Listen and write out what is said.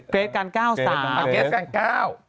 เกรทกาจแก้วสามเกรทกาจแก้ว